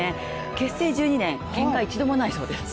結成１２年、けんかは一度もないそうです。